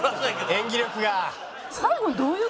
演技力が。